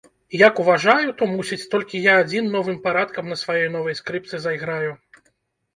Як уважаю, то, мусіць, толькі я адзін новым парадкам на сваёй новай скрыпцы зайграю.